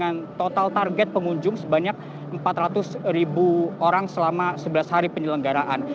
yang diberikan oleh penyelenggara adalah sebanyak empat ratus ribu orang selama sebelas hari penyelenggaraan